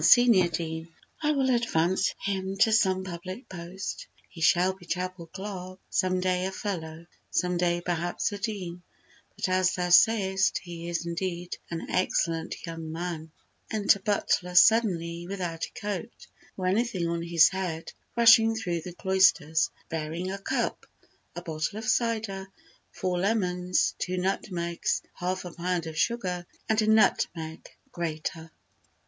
SENIOR DEAN: I will advance him to some public post, He shall be chapel clerk, some day a fellow, Some day perhaps a Dean, but as thou sayst He is indeed an excellent young man— Enter Butler suddenly without a coat, or anything on his head, rushing through the cloisters, bearing a cup, a bottle of cider, four lemons, two nutmegs, half a pound of sugar and a nutmeg grater.